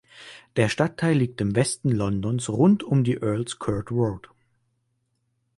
Der Stadtteil liegt im Westen Londons rund um die Earl's Court Road.